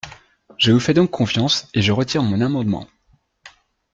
Je vous fais donc confiance et je retire mon amendement.